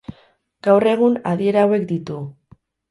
Gaur egun, adiera hauek ditu.